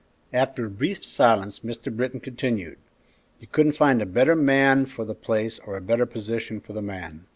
After a brief silence Mr. Britton continued, "You couldn't find a better man for the place or a better position for the man.